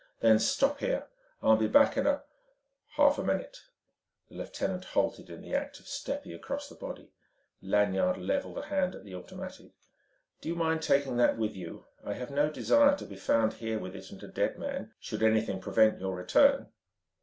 "Then stop here. I'll be back in a " "Half a minute." The lieutenant halted in the act of stepping across the body. Lanyard levelled a hand at the automatic. "Do you mind taking that with you? I have no desire to be found here with it and a dead man, should anything prevent your return."